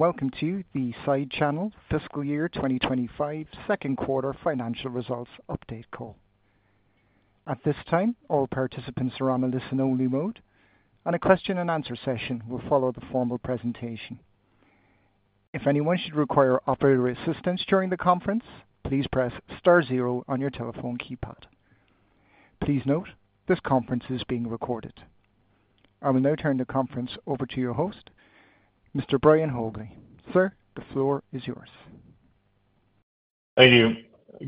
Welcome to the SideChannel Fiscal Year 2025 Second Quarter Financial Results Update Call. At this time, all participants are on a listen-only mode, and a question-and-answer session will follow the formal presentation. If anyone should require operator assistance during the conference, please press star zero on your telephone keypad. Please note this conference is being recorded. I will now turn the conference over to your host, Mr. Brian Haugli. Sir, the floor is yours. Thank you.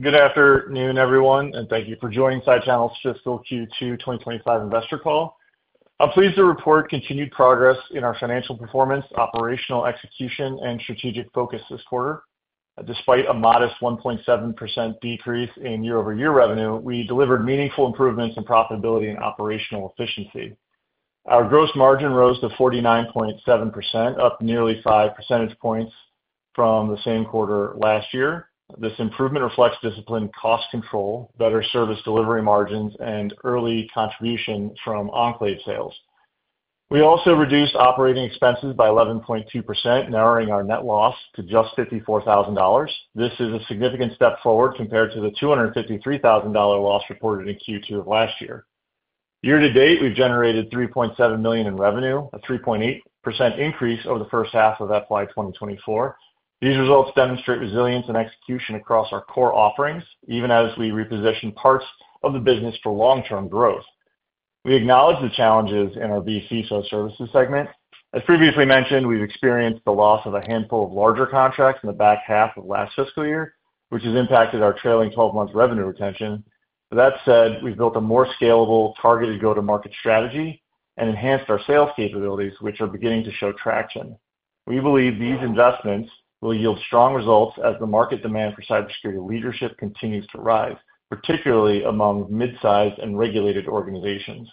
Good afternoon, everyone, and thank you for joining SideChannel's Fiscal Q2 2025 Investor Call. I'm pleased to report continued progress in our financial performance, operational execution, and strategic focus this quarter. Despite a modest 1.7% decrease in year-over-year revenue, we delivered meaningful improvements in profitability and operational efficiency. Our gross margin rose to 49.7%, up nearly five percentage points from the same quarter last year. This improvement reflects disciplined cost control, better service delivery margins, and early contribution from Enclave sales. We also reduced operating expenses by 11.2%, narrowing our net loss to just $54,000. This is a significant step forward compared to the $253,000 loss reported in Q2 of last year. Year to date, we've generated $3.7 million in revenue, a 3.8% increase over the first half of FY 2024. These results demonstrate resilience and execution across our core offerings, even as we reposition parts of the business for long-term growth. We acknowledge the challenges in our vCISO services segment. As previously mentioned, we've experienced the loss of a handful of larger contracts in the back half of last fiscal year, which has impacted our trailing 12-month revenue retention. That said, we've built a more scalable, targeted go-to-market strategy and enhanced our sales capabilities, which are beginning to show traction. We believe these investments will yield strong results as the market demand for cybersecurity leadership continues to rise, particularly among mid-sized and regulated organizations.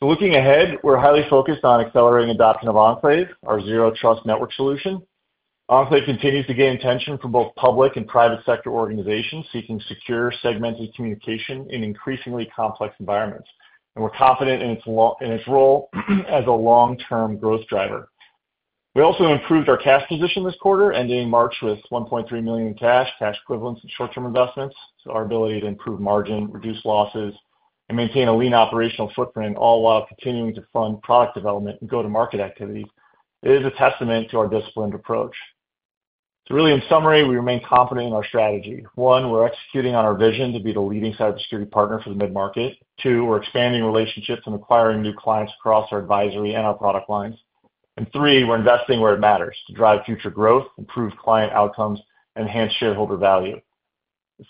Looking ahead, we're highly focused on accelerating adoption of Enclave, our zero-trust network solution. Enclave continues to gain attention from both public and private sector organizations seeking secure, segmented communication in increasingly complex environments, and we're confident in its role as a long-term growth driver. We also improved our cash position this quarter, ending March with $1.3 million in cash, cash equivalents, and short-term investments. Our ability to improve margin, reduce losses, and maintain a lean operational footprint, all while continuing to fund product development and go-to-market activities, is a testament to our disciplined approach. In summary, we remain confident in our strategy. One, we're executing on our vision to be the leading cybersecurity partner for the mid-market. Two, we're expanding relationships and acquiring new clients across our advisory and our product lines. Three, we're investing where it matters to drive future growth, improve client outcomes, and enhance shareholder value.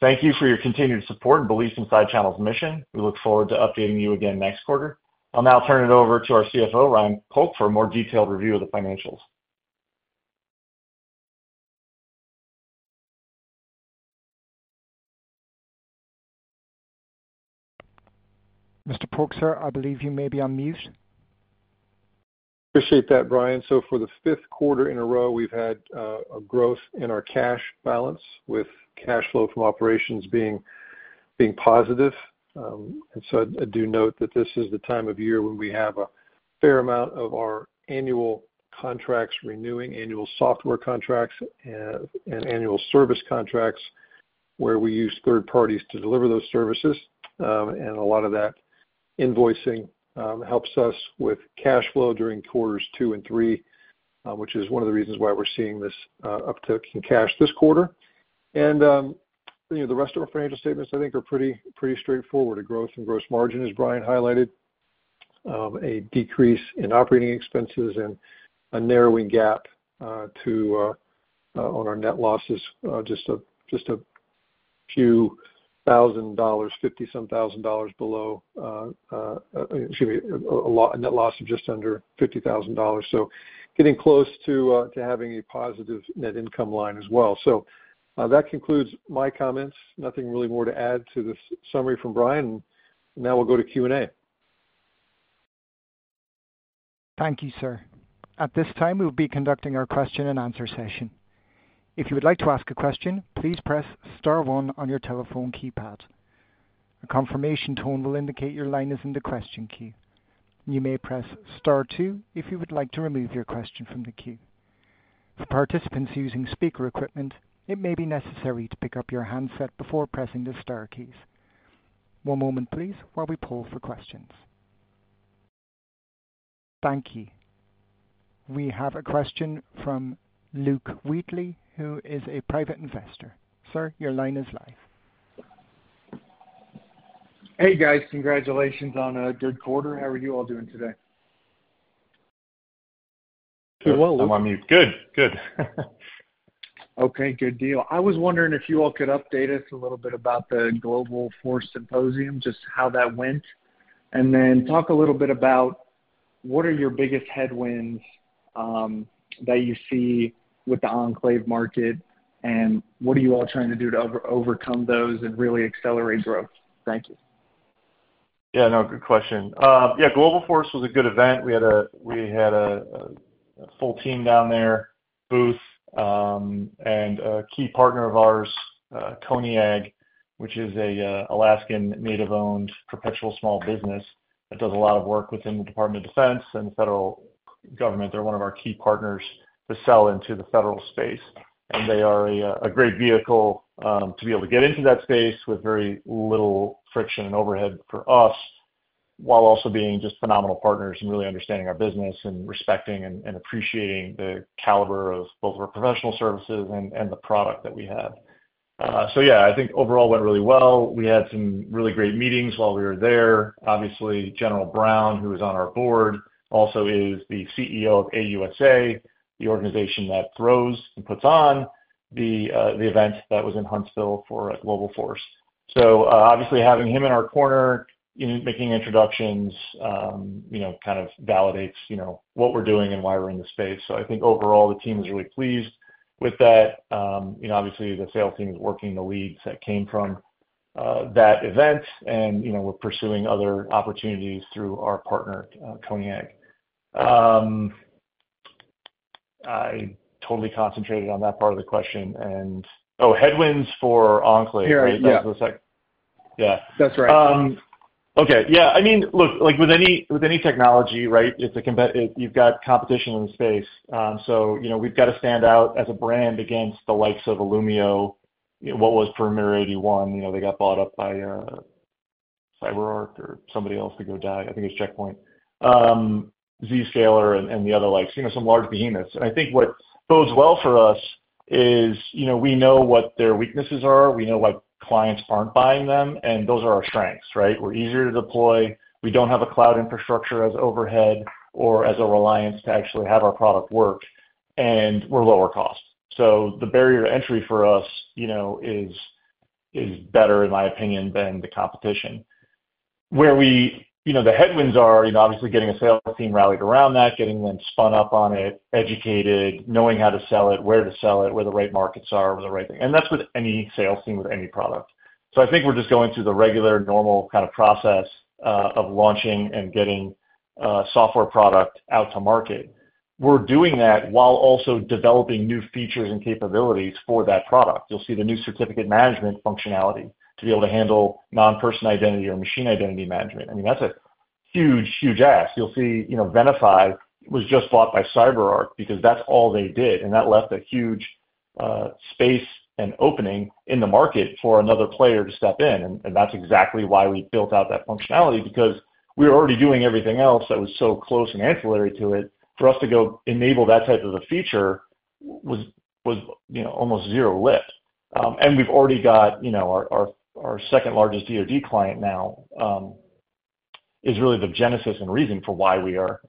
Thank you for your continued support and belief in SideChannel's mission. We look forward to updating you again next quarter. I'll now turn it over to our CFO, Ryan Polk, for a more detailed review of the financials. Mr. Polk, sir, I believe you may be on mute. Appreciate that, Brian. For the fifth quarter in a row, we've had a growth in our cash balance, with cash flow from operations being positive. I do note that this is the time of year when we have a fair amount of our annual contracts renewing, annual software contracts, and annual service contracts, where we use third parties to deliver those services. A lot of that invoicing helps us with cash flow during quarters two and three, which is one of the reasons why we're seeing this uptick in cash this quarter. The rest of our financial statements, I think, are pretty straightforward. Growth in gross margin, as Brian highlighted, a decrease in operating expenses, and a narrowing gap on our net losses, just a few thousand dollars, $50-some thousand dollars below—excuse me, a net loss of just under $50,000. Getting close to having a positive net income line as well. That concludes my comments. Nothing really more to add to this summary from Brian. Now we'll go to Q&A. Thank you, sir. At this time, we'll be conducting our question-and-answer session. If you would like to ask a question, please press star one on your telephone keypad. A confirmation tone will indicate your line is in the question queue. You may press star two if you would like to remove your question from the queue. For participants using speaker equipment, it may be necessary to pick up your handset before pressing the star keys. One moment, please, while we poll for questions. Thank you. We have a question from Luke Wheatley, who is a private investor. Sir, your line is live. Hey, guys. Congratulations on a good quarter. How are you all doing today? Doing well. I'm on mute. Good. Good. Okay. Good deal. I was wondering if you all could update us a little bit about the Global Force Symposium, just how that went, and then talk a little bit about what are your biggest headwinds that you see with the Enclave market, and what are you all trying to do to overcome those and really accelerate growth. Thank you. Yeah. No, good question. Yeah. Global Force was a good event. We had a full team down there, Booth, and a key partner of ours, Koniag, which is an Alaskan native-owned perpetual small business that does a lot of work within the Department of Defense and the federal government. They are one of our key partners to sell into the federal space. They are a great vehicle to be able to get into that space with very little friction and overhead for us, while also being just phenomenal partners and really understanding our business and respecting and appreciating the caliber of both of our professional services and the product that we have. Yeah, I think overall went really well. We had some really great meetings while we were there. Obviously, General Brown, who is on our board, also is the CEO of AUSA, the organization that throws and puts on the event that was in Huntsville for Global Force. Obviously, having him in our corner, making introductions kind of validates what we're doing and why we're in the space. I think overall, the team is really pleased with that. Obviously, the sales team is working the leads that came from that event, and we're pursuing other opportunities through our partner, Koniag. I totally concentrated on that part of the question. Oh, headwinds for Enclave, right? Yeah. That was the second. That's right. Okay. Yeah. I mean, look, with any technology, right, you've got competition in the space. We've got to stand out as a brand against the likes of Illumio, what was Perimeter 81. They got bought up by CyberArk or somebody else to go die. I think it was Check Point, Zscaler, and the other likes, some large behemoths. I think what bodes well for us is we know what their weaknesses are. We know why clients aren't buying them, and those are our strengths, right? We're easier to deploy. We don't have a cloud infrastructure as overhead or as a reliance to actually have our product work, and we're lower cost. The barrier to entry for us is better, in my opinion, than the competition. Where the headwinds are, obviously, getting a sales team rallied around that, getting them spun up on it, educated, knowing how to sell it, where to sell it, where the right markets are, where the right thing—that is with any sales team, with any product. I think we are just going through the regular, normal kind of process of launching and getting a software product out to market. We are doing that while also developing new features and capabilities for that product. You will see the new certificate management functionality to be able to handle non-person identity or machine identity management. I mean, that is a huge, huge ask. You will see Venafi was just bought by CyberArk because that is all they did, and that left a huge space and opening in the market for another player to step in. That is exactly why we built out that functionality, because we were already doing everything else that was so close and ancillary to it. For us to go enable that type of a feature was almost zero lift. We have already got our second largest DoD client now, which is really the genesis and reason for why we are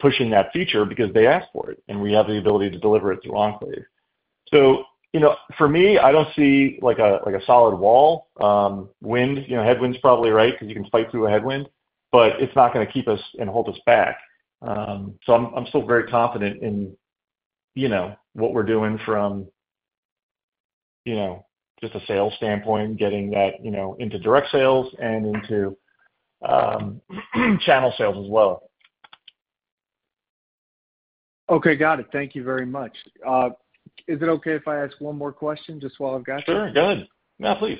pushing that feature, because they asked for it, and we have the ability to deliver it through Enclave. For me, I do not see a solid wall. Headwind is probably right, because you can fight through a headwind, but it is not going to keep us and hold us back. I am still very confident in what we are doing from just a sales standpoint, getting that into direct sales and into channel sales as well. Okay. Got it. Thank you very much. Is it okay if I ask one more question just while I've got you? Sure. Go ahead. Yeah, please.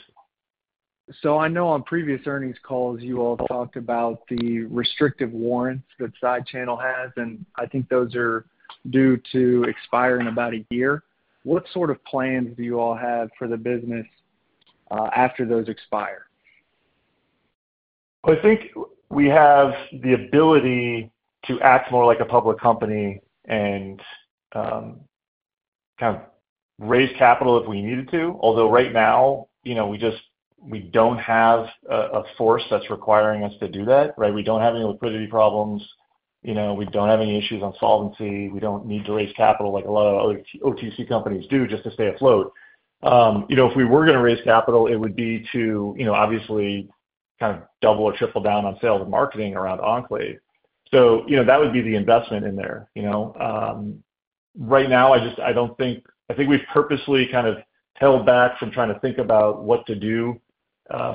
I know on previous earnings calls, you all talked about the restrictive warrants that SideChannel has, and I think those are due to expire in about a year. What sort of plans do you all have for the business after those expire? I think we have the ability to act more like a public company and kind of raise capital if we needed to, although right now, we do not have a force that is requiring us to do that, right? We do not have any liquidity problems. We do not have any issues on solvency. We do not need to raise capital like a lot of other OTC companies do just to stay afloat. If we were going to raise capital, it would be to obviously kind of double or triple down on sales and marketing around Enclave. That would be the investment in there. Right now, I do not think—I think we have purposely kind of held back from trying to think about what to do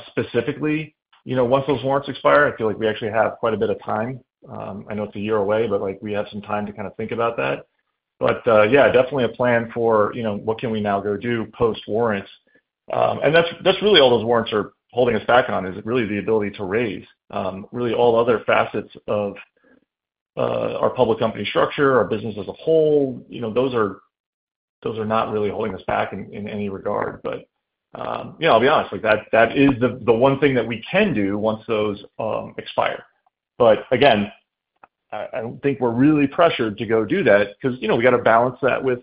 specifically. Once those warrants expire, I feel like we actually have quite a bit of time. I know it's a year away, but we have some time to kind of think about that. Yeah, definitely a plan for what can we now go do post-warrants. That's really all those warrants are holding us back on, is really the ability to raise. Really, all other facets of our public company structure, our business as a whole, those are not really holding us back in any regard. I'll be honest, that is the one thing that we can do once those expire. Again, I don't think we're really pressured to go do that, because we got to balance that with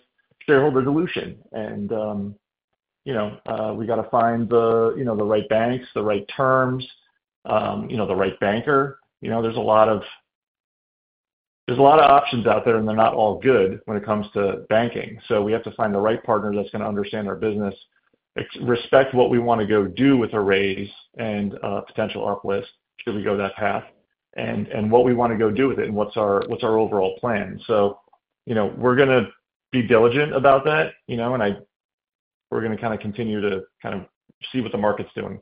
shareholder dilution, and we got to find the right banks, the right terms, the right banker. There's a lot of options out there, and they're not all good when it comes to banking. We have to find the right partner that's going to understand our business, respect what we want to go do with a raise and potential uplift should we go that path, and what we want to go do with it, and what's our overall plan. We're going to be diligent about that, and we're going to kind of continue to kind of see what the market's doing.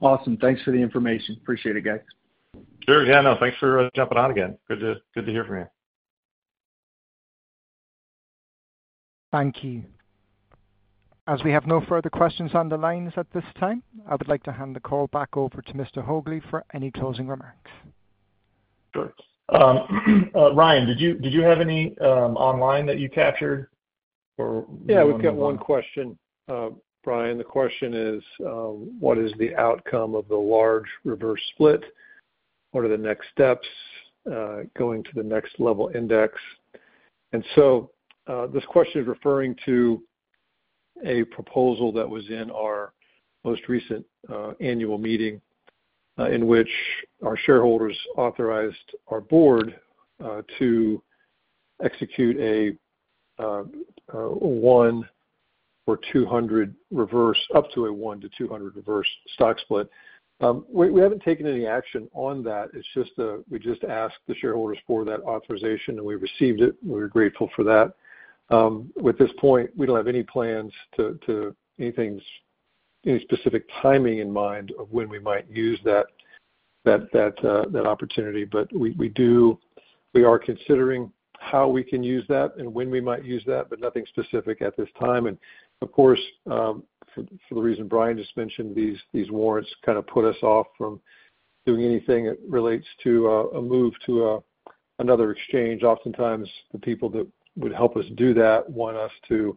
Awesome. Thanks for the information. Appreciate it, guys. Sure. Yeah. No, thanks for jumping on again. Good to hear from you. Thank you. As we have no further questions on the lines at this time, I would like to hand the call back over to Mr. Haugli for any closing remarks. Sure. Ryan, did you have any online that you captured, or? Yeah. We've got one question, Brian. The question is, what is the outcome of the large reverse split? What are the next steps going to the next level index? This question is referring to a proposal that was in our most recent annual meeting in which our shareholders authorized our board to execute a 1-to-200 reverse stock split. We haven't taken any action on that. We just asked the shareholders for that authorization, and we received it. We're grateful for that. At this point, we don't have any plans to—any specific timing in mind of when we might use that opportunity. We are considering how we can use that and when we might use that, but nothing specific at this time. Of course, for the reason Brian just mentioned, these warrants kind of put us off from doing anything that relates to a move to another exchange. Oftentimes, the people that would help us do that want us to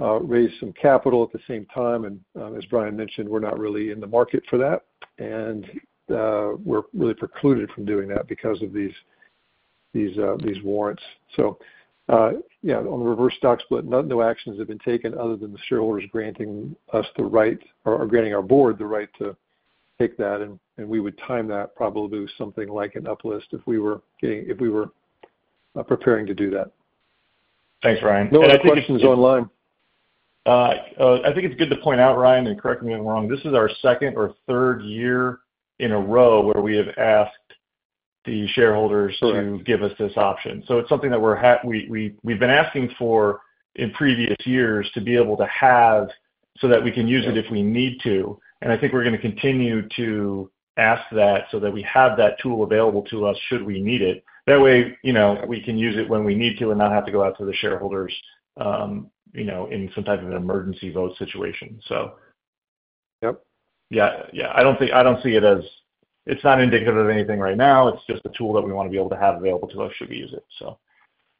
raise some capital at the same time. As Brian mentioned, we're not really in the market for that, and we're really precluded from doing that because of these warrants. On the reverse stock split, no actions have been taken other than the shareholders granting us the right or granting our board the right to take that. We would time that probably something like an uplift if we were preparing to do that. Thanks, Ryan. No, I think. Any questions online? I think it's good to point out, Ryan, and correct me if I'm wrong, this is our second or third year in a row where we have asked the shareholders to give us this option. It is something that we've been asking for in previous years to be able to have so that we can use it if we need to. I think we're going to continue to ask that so that we have that tool available to us should we need it. That way, we can use it when we need to and not have to go out to the shareholders in some type of an emergency vote situation. Yep. Yeah. Yeah. I do not see it as—it is not indicative of anything right now. It is just a tool that we want to be able to have available to us should we use it, so.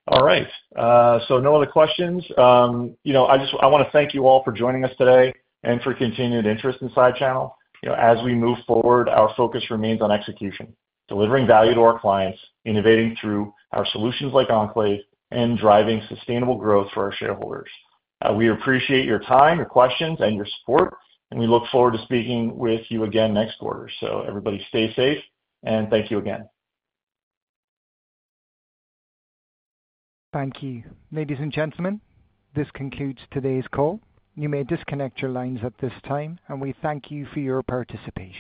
All right. No other questions. I want to thank you all for joining us today and for continued interest in SideChannel. As we move forward, our focus remains on execution, delivering value to our clients, innovating through our solutions like Enclave, and driving sustainable growth for our shareholders. We appreciate your time, your questions, and your support, and we look forward to speaking with you again next quarter. Everybody stay safe, and thank you again. Thank you. Ladies and gentlemen, this concludes today's call. You may disconnect your lines at this time, and we thank you for your participation.